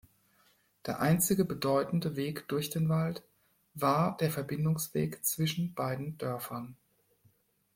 Der einzige bedeutende Weg durch den Wald war der Verbindungsweg zwischen beiden Dörfern.